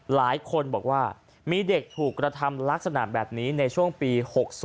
หลายคนบอกว่ามีเด็กถูกกระทำลักษณะแบบนี้ในช่วงปี๖๒